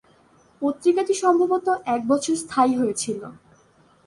পত্রিকাটি সম্ভবত এক বছর স্থায়ী হয়েছিল।